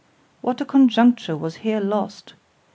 XII ——WHAT a conjuncture was here lost!